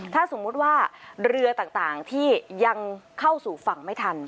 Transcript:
ถ้าสมมุติว่าเรือต่างที่ยังเข้าสู่ฝั่งไม่ทัน